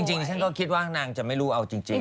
เหมือนก็คิดว่าคนนั้นไม่รู้เอาจริง